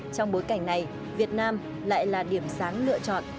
trong bối cảnh này việt nam lại là điểm sáng lựa chọn